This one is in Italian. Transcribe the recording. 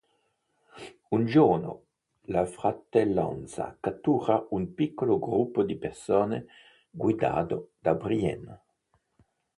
Un giorno, la Fratellanza cattura un piccolo gruppo di persone guidato da Brienne.